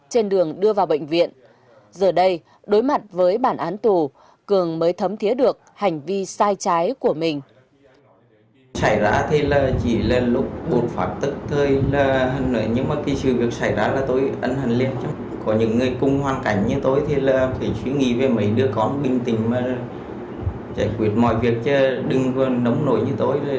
trên đường đưa vào bệnh viện giờ đây đối mặt với bản án tù cường mới thấm thiế được hành vi sai trái của mình